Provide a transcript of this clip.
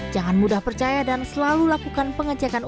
jangan mudah percaya dan selalu lakukan pengecekan